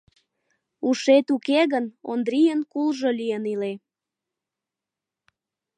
Ушет уке гын, Ондрийын кулжо лийын иле.